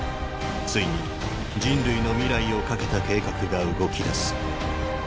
ついに人類の未来をかけた計画が動きだす。